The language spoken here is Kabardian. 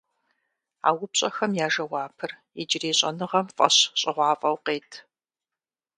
А упщӀэхэм я жэуапыр иджырей щӀэныгъэм фӀэщ щӀыгъуафӀэу къет.